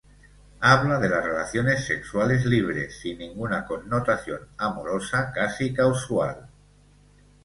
Habla de las relaciones sexuales libres, sin ninguna connotación amorosa, casi casual.